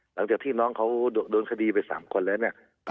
หลังจากที่น้องเขาโดนคดีไป๓คนแล้วเนี่ย